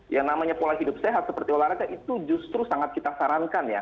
yang namanya pola hidup sehat seperti olahraga itu justru sangat kita sarankan ya